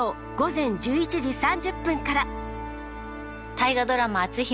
大河ドラマ「篤姫」。